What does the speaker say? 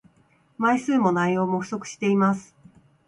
枚数も内容も不足しています